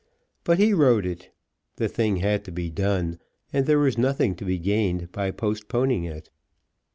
But he wrote it. The thing had to be done, and there was nothing to be gained by postponing it.